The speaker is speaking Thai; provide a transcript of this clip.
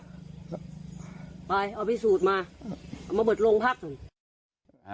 ไปเอาไปสูตรมา